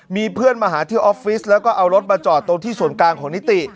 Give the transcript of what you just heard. มีเพื่อนมาหาที่ออฟฟิศแล้วก็เอารถมาจอดตรงที่ส่วนกลางของนิติ